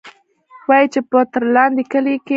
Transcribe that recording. وايي چې پۀ ترلاندۍ کلي کښې